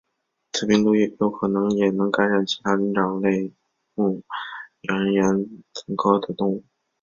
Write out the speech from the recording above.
此病毒有可能也能感染其他灵长目人猿总科的动物。